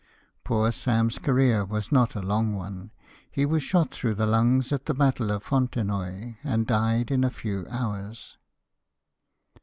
Poor Sam's career was not a long one. He was shot through the lungs at the battle of Fontenoy, and died in a few hours.